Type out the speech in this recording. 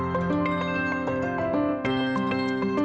kamu gembel aja ke sini